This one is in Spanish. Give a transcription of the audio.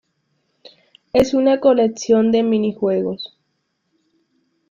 Es una colección de minijuegos.